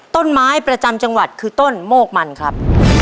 ประจำจังหวัดคือต้นโมกมันครับ